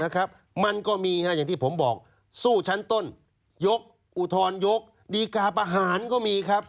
มันก็มีอย่างที่ผมบอกสู้ชั้นต้นยกอุทธรณยกดีกาประหารก็มีครับ